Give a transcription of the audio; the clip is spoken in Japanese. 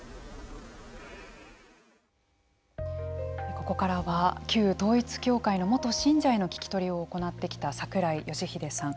ここからは旧統一教会の元信者への聞き取りを行ってきた櫻井義秀さん。